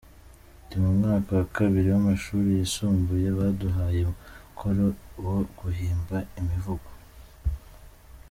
Ndi mu mwaka wa kabiri w’amashuri yisumbuye baduhaye umukoro wo guhimba imivugo.